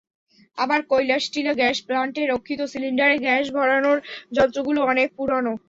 আবার কৈলাসটিলা গ্যাস প্লান্টে রক্ষিত সিলিন্ডারে গ্যাস ভরানোর যন্ত্রগুলো অনেক পুরোনো।